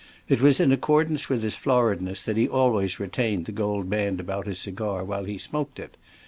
It was in accordance with his floridness that he always retained the gold band about his cigar while he smoked it.